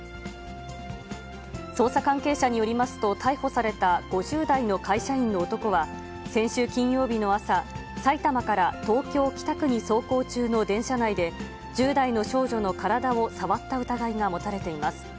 捜査関係者によりますと、逮捕された５０代の会社員の男は、先週金曜日の朝、埼玉から東京・北区に走行中の電車内で、１０代の少女の体を触った疑いが持たれています。